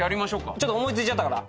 ちょっと思い付いちゃったから。